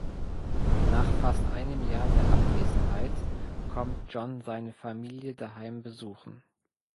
Nach fast einem Jahr der Abwesenheit kommt John seine Familie daheim besuchen.